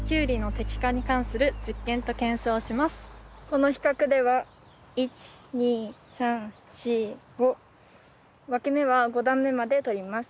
この比較では１２３４５わき芽は５段目まで取ります。